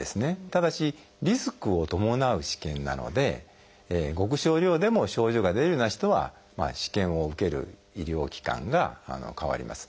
ただしリスクを伴う試験なのでごく少量でも症状が出るような人は試験を受ける医療機関が変わります。